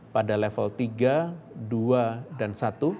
pada level tiga dua dan satu